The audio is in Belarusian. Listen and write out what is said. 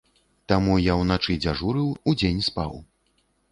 Таму я ўначы дзяжурыў, удзень спаў.